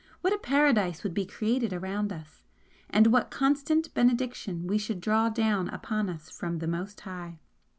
what a paradise would be created around us! and what constant benediction we should draw down upon us from the Most High!